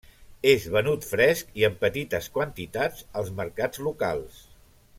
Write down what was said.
És venut fresc i en petites quantitats als mercats locals.